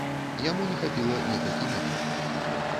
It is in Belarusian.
Яму не хапіла некалькі метраў.